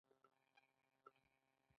یا د پیرودونکو کموالی د ارزانښت سبب کیدای شي؟